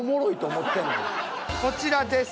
こちらです。